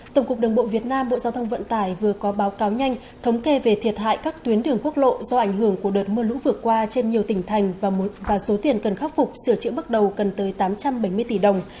tổng cục đường bộ việt nam bộ giao thông vận tải vừa có báo cáo nhanh thống kê về thiệt hại các tuyến đường quốc lộ do ảnh hưởng của đợt mưa lũ vừa qua trên nhiều tỉnh thành và số tiền cần khắc phục sửa chữa bước đầu cần tới tám trăm bảy mươi tỷ đồng